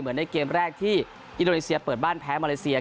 ในเกมแรกที่อินโดนีเซียเปิดบ้านแพ้มาเลเซีย